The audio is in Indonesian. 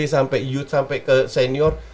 sampai youth sampai ke senior